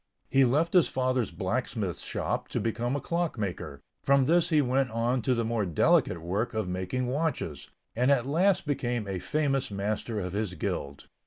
He left his father's blacksmith shop to become a clock maker, from this he went on to the more delicate work of making watches, and at last became a famous master of his guild.